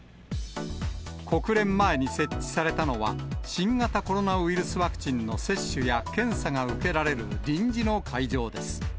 国連前に設置されたのは、新型コロナウイルスワクチンの接種や検査が受けられる臨時の会場です。